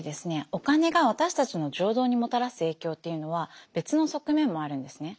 お金が私たちの情動にもたらす影響っていうのは別の側面もあるんですね。